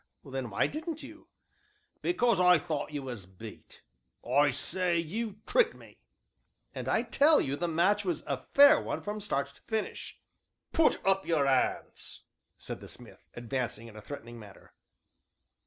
"Then why didn't you?" "Because I thought you was beat. I say you tricked me." "And I tell you the match was a fair one from start to finish!" "Put up your hands!" said the smith, advancing in a threatening manner.